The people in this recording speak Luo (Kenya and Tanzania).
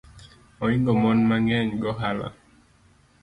Oingo mon mang’eny gohala